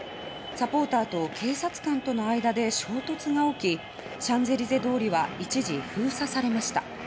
サポーターと警察官との間で衝突が起きシャンゼリゼ通りは一時封鎖されました。